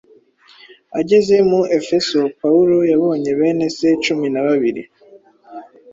Ageze mu Efeso, Pawulo yabonye bene se cumi na babiri,